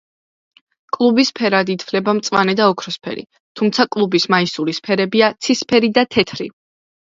კლუბის ფერებად ითვლება მწვანე და ოქროსფერი, თუმცა კლუბის მაისურის ფერებია ცისფერი და თეთრი.